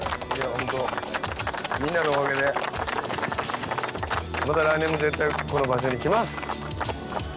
ホントみんなのおかげでまた来年も絶対この場所に来ます